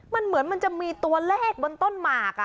มันเหมือนจะมีตัวแรกบนต้นหมาก